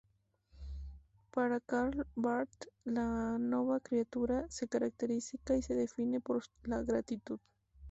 Para Karl Barth, la nova criatura "se caracteriza y se define por la gratitud".